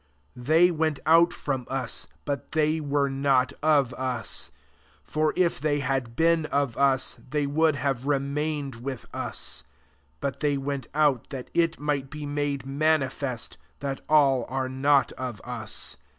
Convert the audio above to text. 19 They went out from us, but they were not of us : for if they had been of us, they would have remained with us ; but they went out that it might be made manifest that all are not of us.